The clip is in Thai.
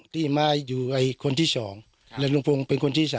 ที่มาอยู่คนที่๒และลุงพงศ์เป็นคนที่๓